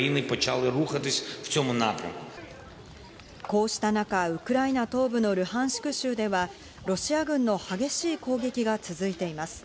こうした中、ウクライナ東部のルハンシク州では、ロシア軍の激しい攻撃が続いています。